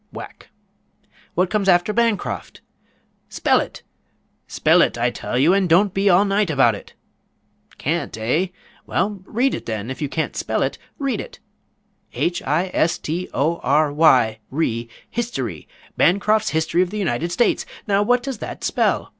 (whack). What comes after Bancroft? Spell it! Spell it, I tell you, and don't be all night about it! Can't, eh? Well, read it then; if you can't spell it, read it. H i s t o r y ry, history; Bancroft's History of the United States! Now what does that spell?